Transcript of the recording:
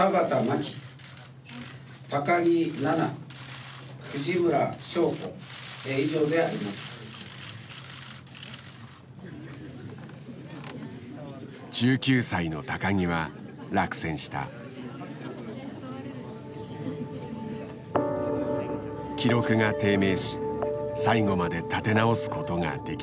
記録が低迷し最後まで立て直すことができなかった。